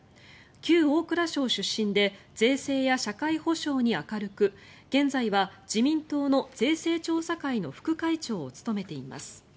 旧大蔵省出身で税制や社会保障に明るく現在は自民党の税制調査会の副会長を務めています。